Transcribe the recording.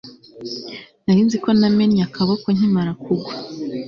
nari nzi ko namennye akaboko nkimara kugwa